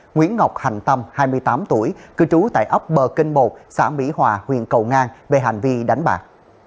nguyễn ngọc hành tâm hai mươi tám tuổi cư trú tại ấp bờ kinh bột xã mỹ hòa huyện cầu ngang về hành vi đánh bạc